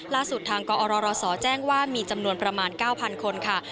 ล่าสุดทางกอรศแจ้งว่ามีจำนวนประมาณ๙๐๐คนค่ะ